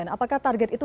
apakah target itu